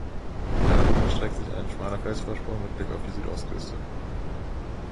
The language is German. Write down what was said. Weiter oben erstreckt sich ein schmaler Felsvorsprung mit Blick auf die Südostküste.